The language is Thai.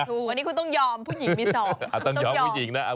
วันนี้คุณต้องยอมผู้หญิงมีสอง